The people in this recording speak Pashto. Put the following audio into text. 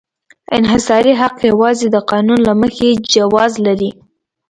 انحصاري حق یوازې د قانون له مخې جواز لري.